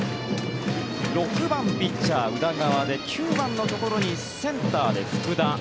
６番ピッチャー、宇田川で９番のところにセンターで福田